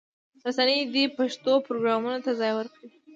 رسنۍ دې پښتو پروګرامونو ته ځای ورکړي.